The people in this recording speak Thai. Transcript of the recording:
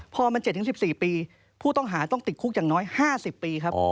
พอมัน๗๑๔ปีผู้ต้องหาต้องติดคุกอย่างน้อย๕๐ปีครับ